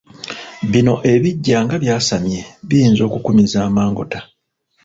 Bino ebijja nga byasamye biyinza okukumiza amangota.